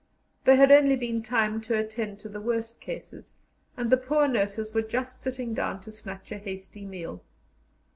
There had only been time to attend to the worst cases, and the poor nurses were just sitting down to snatch a hasty meal.